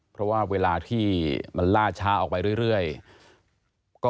เพราะว่าเวลาที่มันล่าช้าออกไปเรื่อยก็อุปกรณ์